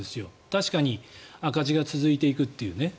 確かに赤字が続いていくというね。